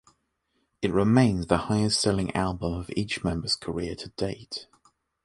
It remains the highest-selling album of each member's career to date.